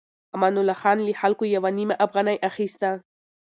امان الله خان له خلکو يوه نيمه افغانۍ اخيسته.